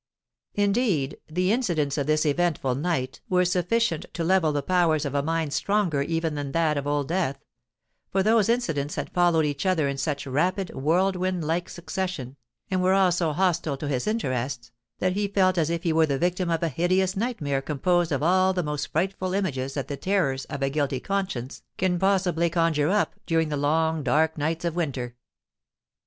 Indeed, the incidents of this eventful night were sufficient to level the powers of a mind stronger even than that of Old Death,—for those incidents had followed each other in such rapid, whirlwind like succession, and were all so hostile to his interests, that he felt as if he were the victim of a hideous nightmare composed of all the most frightful images that the terrors of a guilty conscience can possibly conjure up during the long dark nights of winter.